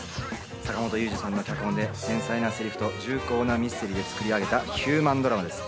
坂元裕二さんの脚本で繊細なセリフと重厚なミステリーで作り上げたヒューマンドラマです。